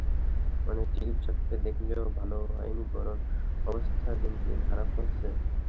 অনেক চিকিৎসককে দেখালেও ভালো হয়নি, বরং অবস্থা দিন দিন খারাপ হচ্ছে।